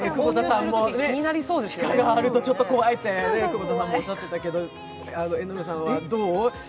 地下があるとちょっと怖いと窪田さんもおっしゃっていたけど、江上さんはどう？